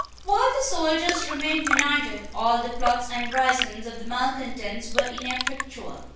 While the soldiers remained united, all the plots and risings of the malecontents were ineffectual.